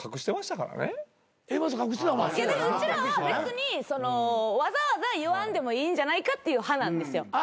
だからうちらは別にわざわざ言わんでもいいんじゃないかっていう派なんですよ。